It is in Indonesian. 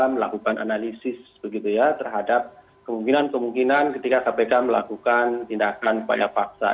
melakukan analisis begitu ya terhadap kemungkinan kemungkinan ketika kpk melakukan tindakan pada paksa